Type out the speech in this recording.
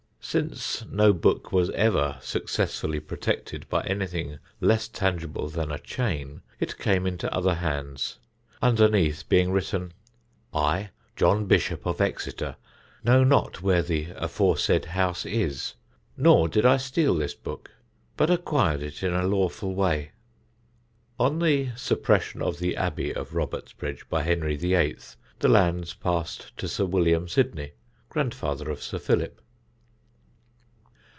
Since no book was ever successfully protected by anything less tangible than a chain, it came into other hands, underneath being written: "I John Bishop of Exeter know not where the aforesaid house is; nor did I steal this book, but acquired it in a lawful way." On the suppression of the Abbey of Robertsbridge by Henry VIII. the lands passed to Sir William Sidney, grandfather of Sir Philip.